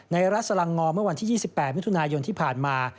รัฐสลังงอเมื่อวันที่๒๘มิถุนายนที่ผ่านมา